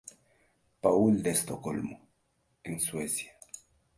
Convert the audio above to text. Paul de Estocolmo, en Suecia.